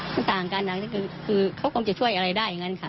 มันต่างกันคือเขาคงจะช่วยอะไรได้อย่างนั้นค่ะ